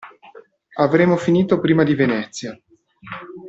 Avremo finito prima di Venezia.